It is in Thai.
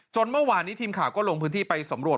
เมื่อวานนี้ทีมข่าวก็ลงพื้นที่ไปสำรวจ